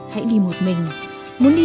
hãy đi một mình muốn đi